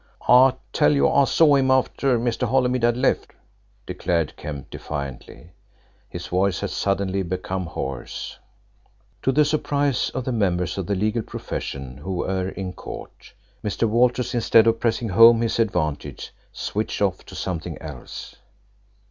"I tell you I saw him after Mr. Holymead had left," declared Kemp defiantly. His voice had suddenly become hoarse. To the surprise of the members of the legal profession who were in court, Mr. Walters, instead of pressing home his advantage, switched off to something else.